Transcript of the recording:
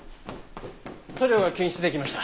塗料が検出できました。